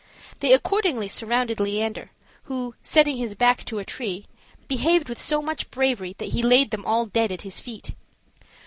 They accordingly surrounded Leander, who, setting his back to a tree, behaved with so much bravery that he laid them all dead at his feet.